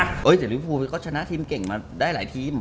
เดี๋ยวริวภูก็ชนะทีมเก่งมาได้หลายทีม